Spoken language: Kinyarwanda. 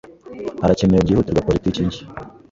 Harakenewe byihutirwa politiki nshya.